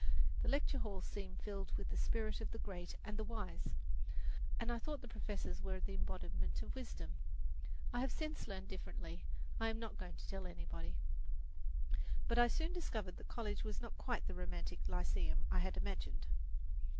The lecture halls seemed filled with the spirit of the great and the wise, and I thought the professors were the embodiment of wisdom. If I have since learned differently, I am not going to tell anybody. But I soon discovered that college was not quite the romantic lyceum I had imagined.